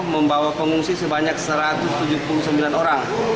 membawa pengungsi sebanyak satu ratus tujuh puluh sembilan orang